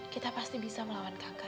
kita pasti bisa melawan kakak